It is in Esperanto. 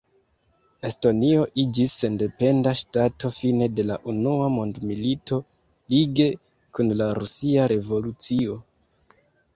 Estonio iĝis sendependa ŝtato fine de la unua mondmilito, lige kun la Rusia revolucio.